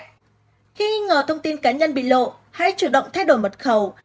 khi nghi ngờ thông tin cá nhân bị lộ hãy chủ động thay đổi mật khẩu